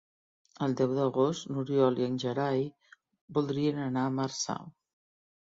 El deu d'agost n'Oriol i en Gerai voldrien anar a Marçà.